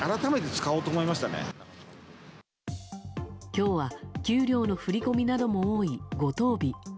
今日は、給料の振り込みなども多い五十日。